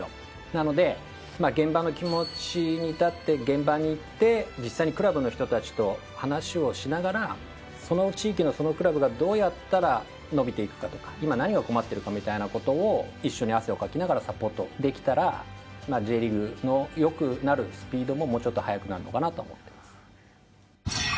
なので現場の気持ちに立って現場に行って実際にクラブの人たちと話をしながらその地域のそのクラブがどうやったら伸びていくかとか今何が困ってるかみたいなことを一緒に汗をかきながらサポートできたらＪリーグの良くなるスピードももうちょっと早くなるのかなと思ってます。